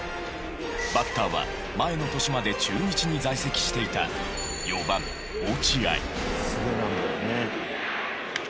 バッターは前の年まで中日に在籍していたおお。